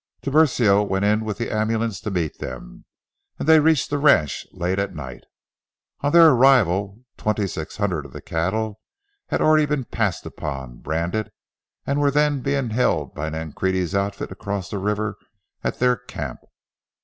Tiburcio went in with the ambulance to meet them, and they reached the ranch late at night. On their arrival twenty six hundred of the cattle had already been passed upon, branded, and were then being held by Nancrede's outfit across the river at their camp.